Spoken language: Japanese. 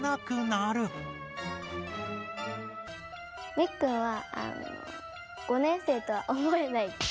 みっくんは５年生とは思えない。